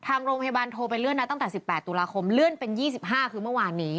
ทางโรงพยาบาลโทรไปเลื่อนนัดตั้งแต่๑๘ตุลาคมเลื่อนเป็น๒๕คือเมื่อวานนี้